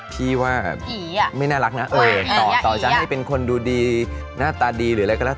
พี่ว่าไม่น่ารักนะต่อจะให้เป็นคนดูดีหน้าตาดีหรืออะไรก็แล้ว